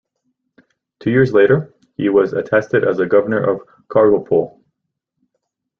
Two years later, he was attested as a governor of Kargopol.